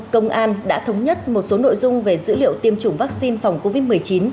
công an đã thống nhất một số nội dung về dữ liệu tiêm chủng vaccine phòng covid một mươi chín